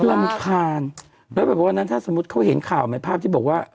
รำคาญถ้าสมมติเขาเห็นข่าวไหมภาพที่บอกว่า